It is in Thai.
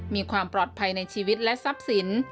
มีความปลอดภัยในชีวิตและทรัพย์สิน